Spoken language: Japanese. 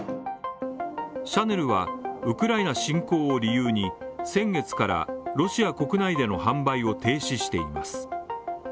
シャネルはウクライナ侵攻を理由に先月からロシア国内での販売を停止しています。